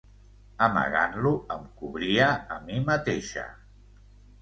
Amagant-lo em cobria a mi mateixa.